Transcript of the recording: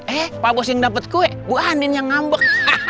eh pak bos yang dapat kue bu handin yang ngambek